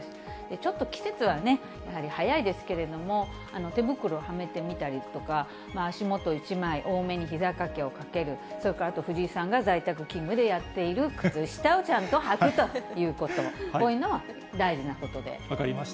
ちょっと季節はね、やはり早いですけれども、手袋はめてみたりとか、足元、１枚多めにひざかけを掛ける、それからあと藤井さんが在宅勤務でやっている靴下をちゃんと履くということ、こういうのは大事な分かりました。